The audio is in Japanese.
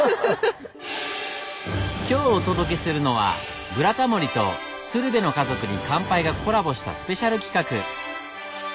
今日お届けするのは「ブラタモリ」と「鶴瓶の家族に乾杯」がコラボしたスペシャル企画。